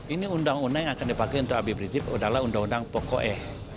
ini undang undang yang akan dipakai untuk abib rizik adalah undang undang pokok